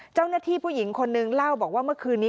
เจ้าหน้าที่ผู้หญิงคนนึงเล่าบอกว่าเมื่อคืนนี้